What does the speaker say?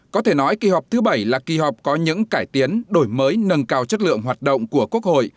có thể nói kỳ họp thứ bảy là kỳ họp có những cải tiến đổi mới nâng cao chất lượng hoạt động của quốc hội